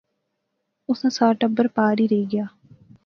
اس ناں سار ٹبر پار ہی رہی گیا